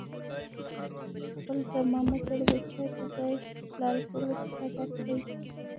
خپل ترمامتر د چای په ځای له الکولو څخه ډک کړئ.